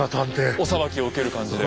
お裁きを受ける感じで。